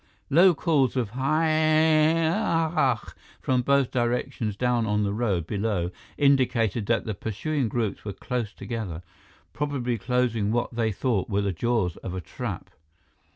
Low calls of "Hyyaahh" from both directions down on the road below indicated that the pursuing groups were close together, probably closing what they thought were the jaws of a trap.